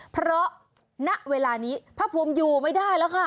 เพราะณเวลานี้พระภูมิอยู่ไม่ได้แล้วค่ะ